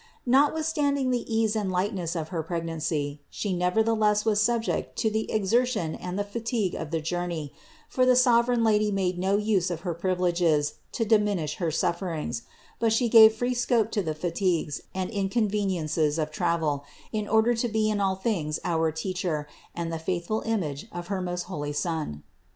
Notwithstanding the ease and light ness of her pregnancy, She nevertheless was subject to the exertion and the fatigue of the journey; for the sov ereign Lady made no use of her privileges to diminish her sufferings, but She gave free scope to the fatigues and inconveniences of travel in order to be in all things our teacher and the faithful image of her most holy Son.